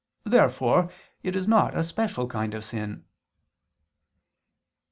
Therefore it is not a special kind of sin.